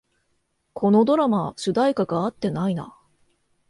このドラマ、主題歌が合ってないな